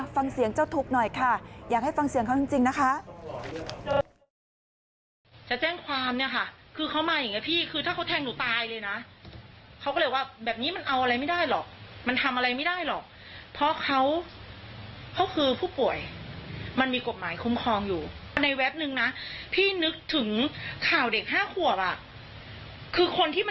ฟังเสียงเจ้าทุกข์หน่อยค่ะอยากให้ฟังเสียงเขาจริงนะคะ